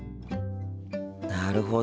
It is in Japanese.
なるほど。